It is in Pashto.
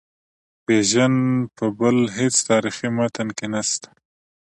بیژن په بل هیڅ تاریخي متن کې نسته.